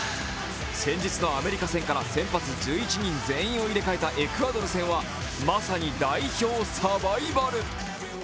先日のアメリカ戦から先発１１人全員を入れ替えたエクアドル戦はまさに代表サバイバル。